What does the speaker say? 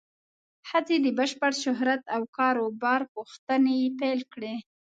ښځې د بشپړ شهرت او کار و بار پوښتنې پیل کړې.